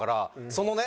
そのね